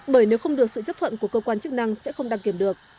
bởi nếu không được sự chấp thuận của cơ quan chức năng sẽ không đăng kiểm được